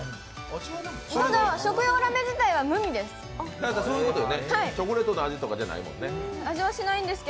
ただ食用ラメ自体は無味です。